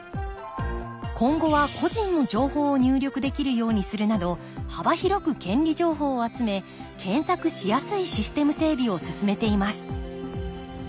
今後は個人の情報を入力できるようにするなど幅広く権利情報を集め検索しやすいシステム整備を進めています